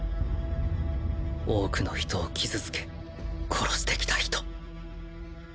多くの人を傷つけ殺してきた人